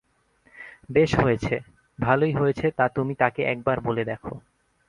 বেশ হয়েছে, ভালোই হয়েছে তা তুমি তাকে একবার বলে দেখো।